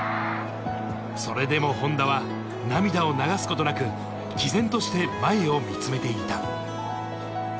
それでも本田は涙を流すことなく、毅然として前を見つめていた。